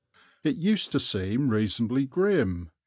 It used to seem reasonably grim.